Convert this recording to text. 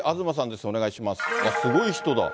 すごい人だ。